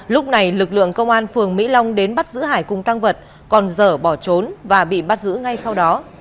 lúc này lực lượng công an phường mỹ long đến bắt giữ hải cùng tăng vật còn dở bỏ trốn và bị bắt giữ ngay sau đó